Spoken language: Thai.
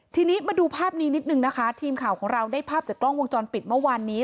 ทีนี้มาดูภาพนี้นิดนึงนะคะทีมข่าวของเราได้ภาพจากกล้องวงจรปิดเมื่อวานนี้